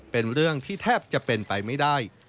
เป็นเรื่องที่แทบจะเป็นไปไม่ได้